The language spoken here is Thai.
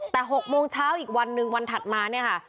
แต่๖โมงเช้าอีกวันหนึ่งวันถัดมาเนี่ยค่ะ